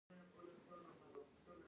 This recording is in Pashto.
کابل د افغان کلتور په داستانونو کې راځي.